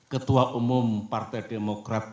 ketua umum partai demokrat